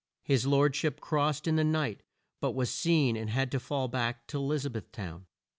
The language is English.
His lord ship crossed in the night, but was seen and had to fall back to E liz a beth town.